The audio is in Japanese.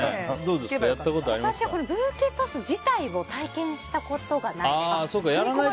私はブーケトス自体を体験したことがないです。